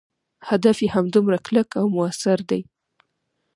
هدف یې همدومره کلک او موثر دی.